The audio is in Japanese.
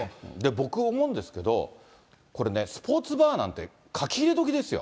僕思うんですけど、これね、スポーツバーなんて書き入れ時ですよ。